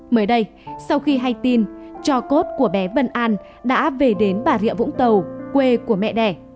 mới đây sau khi hay tin cho cốt của bé vân an đã về đến bà rịa vũng tàu quê của mẹ đẻ